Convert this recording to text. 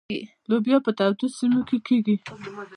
لوبیا په تودو سیمو کې کیږي.